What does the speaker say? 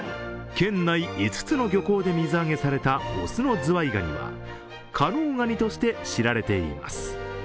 県内５つの漁港で水揚げされた雄のズワイガニは加能ガニとして知られています。